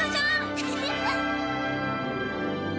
フフフッ！